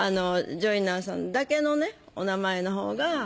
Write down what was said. ジョイナーさんだけのお名前のほうが。